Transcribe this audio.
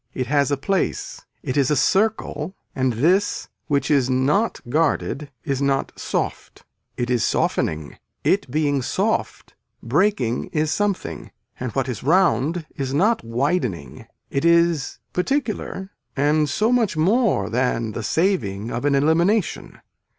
It has a place, it is a circle and this which is not guarded is not soft, it is softening. It being soft breaking is something and what is round is not widening. It is particular and so much more than the saving of an elimination.